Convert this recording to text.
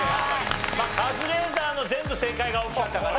まあカズレーザーの全部正解が大きかったかな。